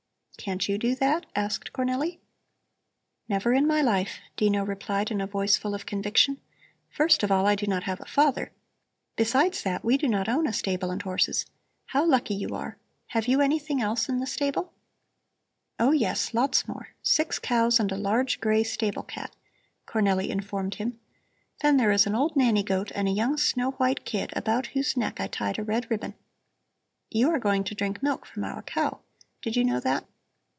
"Can't you do that?" asked Cornelli. "Never in my life," Dino replied in a voice full of conviction. "First of all, I do not have a father. Besides that, we do not own a stable and horses. How lucky you are! Have you anything else in the stable?" "Oh yes, lots more. Six cows and a large gray stable cat," Cornelli informed him. "Then there is an old nanny goat and a young snow white kid, about whose neck I tied a red ribbon. You are going to drink milk from our cow, did you know that?"